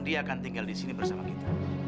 dia akan tinggal di sini bersama kita